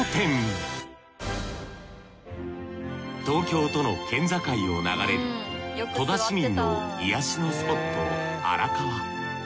東京との県境を流れる戸田市民の癒やしのスポット荒川。